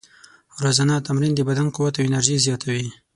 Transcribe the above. روزانه تمرین د بدن قوت او انرژي زیاتوي.